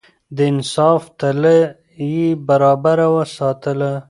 د انصاف تله يې برابره ساتله.